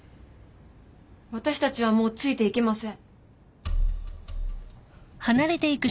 私たちはもうついていけません。